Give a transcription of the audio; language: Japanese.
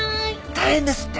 大変ですって。